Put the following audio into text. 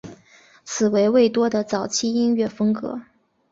此为魏多的早期音乐风格。